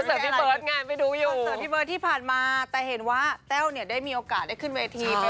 พี่เบิร์ตไงไปดูอยู่คอนเสิร์ตพี่เบิร์ตที่ผ่านมาแต่เห็นว่าแต้วเนี่ยได้มีโอกาสได้ขึ้นเวที